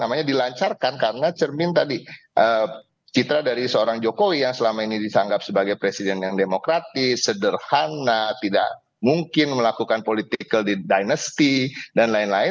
namanya dilancarkan karena cermin tadi citra dari seorang jokowi yang selama ini disanggap sebagai presiden yang demokratis sederhana tidak mungkin melakukan political dinasti dan lain lain